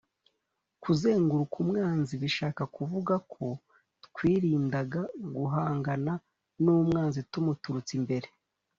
kuzenguruka umwanzi bishaka kuvuga ko twirindaga guhangana n'umwanzi tumuturutse imbere